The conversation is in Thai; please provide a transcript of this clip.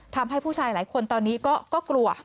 ทำให้ผู้ชายหลายคนตอนนี้ก็กลัว